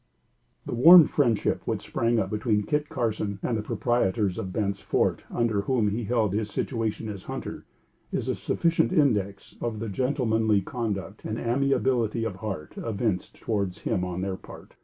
The warm friendship which sprang up between Kit Carson and the proprietors of Bent's Fort, under whom he held his situation as Hunter, is a sufficient index of the gentlemanly conduct and amiability of heart evinced towards him on their part.